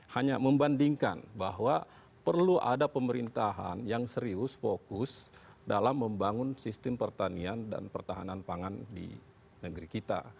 hanya membandingkan bahwa perlu ada pemerintahan yang serius fokus dalam membangun sistem pertanian dan pertahanan pangan di negeri kita